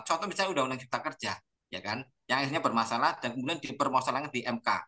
contoh misalnya undang undang cipta kerja yang akhirnya bermasalah dan kemudian dipermasalahkan di mk